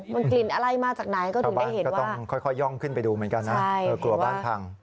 มันกลิ่นอะไรมากจากนายก็จะเห็นว่าใช่เขาต้องค่อยย่องขึ้นไปดูกลัวบ้านพัง